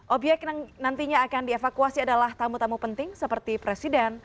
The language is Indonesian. obyek yang nantinya akan dievakuasi adalah tamu tamu penting seperti presiden